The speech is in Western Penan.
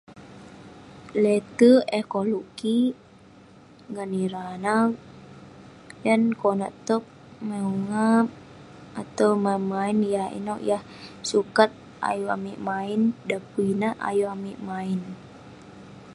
Le'terk eh koluk kik ngan ireh anag..yan neh konak towk..main ungap, ataumain main yah inouk yah sukat ayuk amik main, dan pun inak ayuk amik mainn..